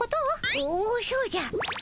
おおそうじゃ。